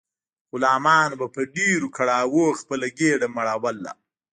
غلامانو به په ډیرو کړاوونو خپله ګیډه مړوله.